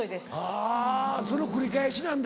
あぁその繰り返しなんだ。